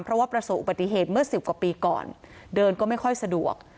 เพราะว่าประสบอุบัติเหตุเมื่อ๑๐กว่าปีก่อนเดินก็ไม่ค่อยสะดวก